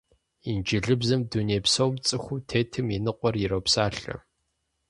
Инджылызыбзэм дуней псом цӀыхуу тетым и ныкъуэр иропсалъэ!